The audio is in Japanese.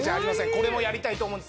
これもやりたいと思うんです。